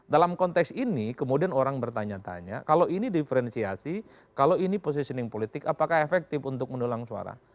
dalam konteks ini kemudian orang bertanya tanya kalau ini diferensiasi kalau ini positioning politik apakah efektif untuk mendulang suara